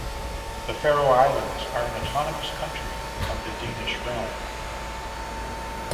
The Faroe Islands are an autonomous country of the Danish Realm.